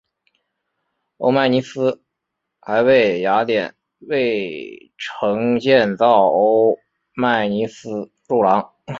欧迈尼斯还为雅典卫城建造欧迈尼斯柱廊。